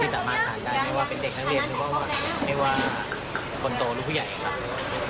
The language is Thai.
ที่สามารถทานได้ไม่ว่าเป็นเด็กข้างเรียนไม่ว่าคนโตหรือผู้ใหญ่ครับ